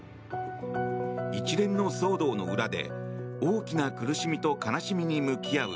一連の騒動の裏で大きな苦しみと悲しみに向き合う